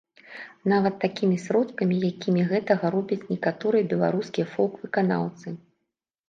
Нават такімі сродкамі, якімі гэтага робяць некаторыя беларускія фолк-выканаўцы.